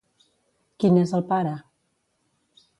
Qui n'és el pare?